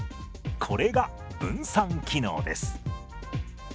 これが分散機能です。